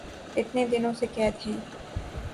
اتنے دنوں سے قید ہیں